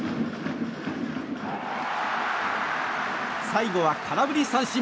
最後は空振り三振。